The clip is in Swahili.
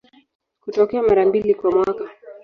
Hutokea mara mbili kwa mwaka.